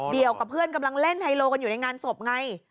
กับเพื่อนกำลังเล่นไฮโลกันอยู่ในงานศพไง